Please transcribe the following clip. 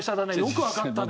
よくわかったね。